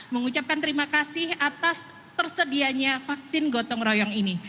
mengucapkan terima kasih atas tersedianya vaksin gotong royong ini